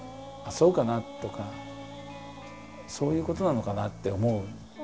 そうかなとかそういうことなのかなって思う。